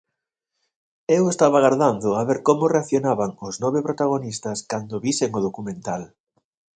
Eu estaba agardando a ver como reaccionaban os nove protagonistas cando visen o documental.